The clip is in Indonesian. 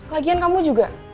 lagian kamu juga